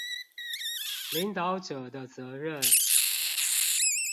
領導者的責任